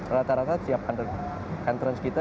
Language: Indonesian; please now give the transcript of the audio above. rata rata tiap kantoran kita